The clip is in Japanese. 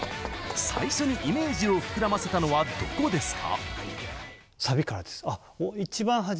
最初にイメージを膨らませたのはどこですか？